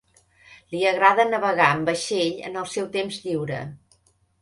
Li agrada navegar en vaixell en el seu temps lliure.